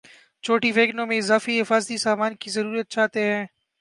چھوٹی ویگنوں میں اضافی حفاظتی سامان کی ضرورت چاہتے ہیں